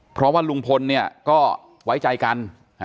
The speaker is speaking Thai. เพราะว่าลุงพลก็ไว้ใจกัน